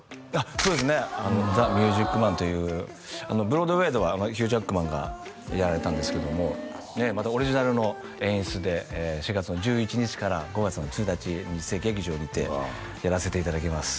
そうですね「ザ・ミュージック・マン」というブロードウェイではヒュー・ジャックマンがやられたんですけどもまたオリジナルの演出で４月の１１日から５月の１日日生劇場にてやらせていただきます